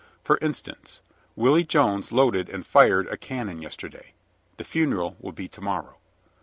For instance: "Willie Jones loaded and fired a cannon yesterday. The funeral will be to morrow."